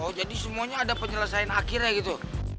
oh jadi semuanya ada penyelesaian akhirnya gitu